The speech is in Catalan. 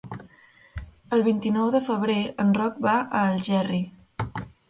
El vint-i-nou de febrer en Roc va a Algerri.